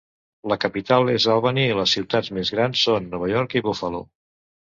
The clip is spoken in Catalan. La capital és Albany i les ciutats més grans són Nova York i Buffalo.